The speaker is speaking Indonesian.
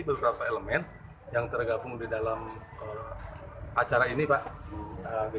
beberapa elemen yang tergabung di dalam acara ini pak